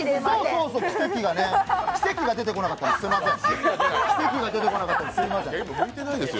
そうそう、奇跡が出てこなかったんです、すみません。